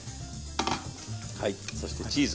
はいそしてチーズ。